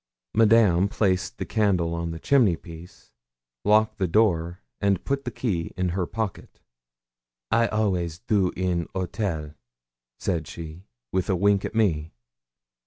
Madame placed the candle on the chimneypiece, locked the door, and put the key in her pocket. 'I always do so in 'otel' said she, with a wink at me.